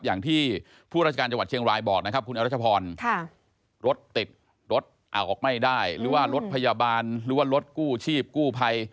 อย่างที่ผู้ราชการจังหวัดเชียงรายบอกนะครับคุณอรัชพรรถติดรถเอาออกไม่ได้หรือว่ารถพยาบาลหรือว่ารถกู้ชีพกู้ภัย